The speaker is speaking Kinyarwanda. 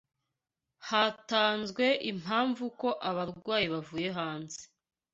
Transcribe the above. Hatanzwe impamvu ko abarwayi bavuye hanze